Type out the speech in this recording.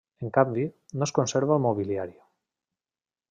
En canvi, no es conserva el mobiliari.